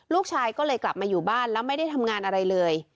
ลูกชายก็เลยกลับมาอยู่บ้านแล้วไม่ได้ทำงานอะไรเลย